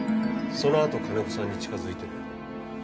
そのあと金子さんに近づいてる。